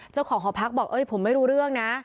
เจ้าของหอพักบอกผมไม่รู้เรื่องนะ